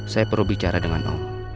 saya perlu bicara dengan allah